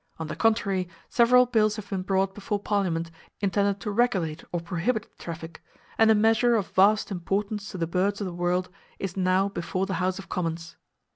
On the contrary, several bills have been brought before Parliament intended to regulate or prohibit the traffic, and a measure of vast importance to the birds of the world is now before the House of Commons.